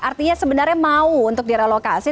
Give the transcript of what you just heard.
artinya sebenarnya mau untuk direlokasi